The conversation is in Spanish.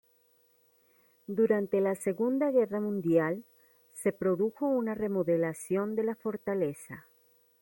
Durante la Segunda Guerra Mundial, se produjo una remodelación de la fortaleza.